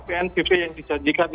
pnpp yang dijanjikan